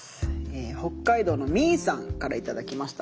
北海道のみぃさんから頂きました。